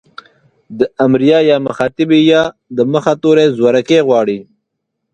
د امريه يا مخاطبې ئ د مخه توری زورکی غواړي.